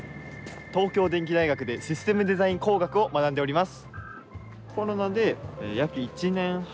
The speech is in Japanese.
東京電機大学でシステムデザイン工学を学んでおります。